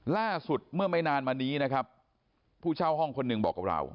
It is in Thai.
ล่าสุดเมื่อไม่นานมานี้นะครับผู้เช่าห้องคนหนึ่งบอกกับเรา